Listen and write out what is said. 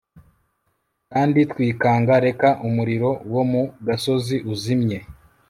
Kandi twikanga Reka umuriro wo mu gasozi uzimye…